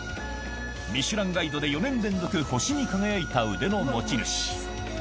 ミシュランガイドで４年連続、星に輝いた腕の持ち主。